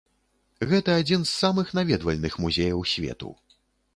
Гэта адзін з самых наведвальных музеяў свету.